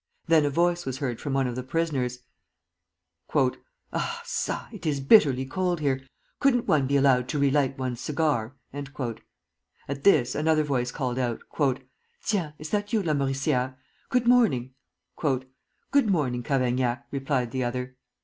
Then a voice was heard from one of the prisoners. "Ah, ça, it is bitterly cold here. Could n't one be allowed to re light one's cigar?" At this another voice called out: "Tiens! is that you, Lamoricière? Good morning!" "Good morning, Cavaignac," replied the other.